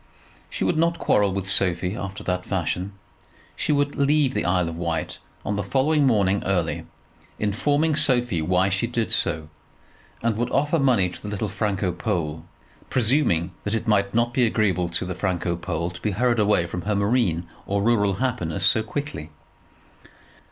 She would not quarrel with Sophie after that fashion. She would leave the Isle of Wight on the following morning early, informing Sophie why she did so, and would offer money to the little Franco Pole, presuming that it might not be agreeable to the Franco Pole to be hurried away from her marine or rural happiness so quickly.